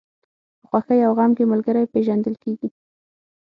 په خوښۍ او غم کې ملګری پېژندل کېږي.